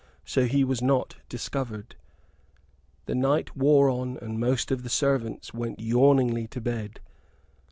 So he was not discovered. The night wore on and most of the servants went yawningly to bed.